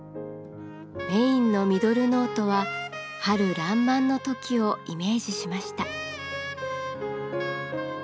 メインのミドルノートは春らんまんの時をイメージしました。